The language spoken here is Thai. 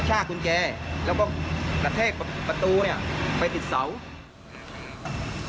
ชากกุญแจแล้วก็กระแทกประตูเนี่ยไปติดเสา